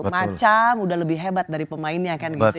macam udah lebih hebat dari pemainnya